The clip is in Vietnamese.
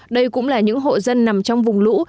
đây cũng là những hộ dân nằm trong vùng lũ